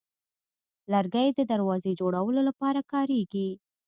لرګی د دروازې جوړولو لپاره کارېږي.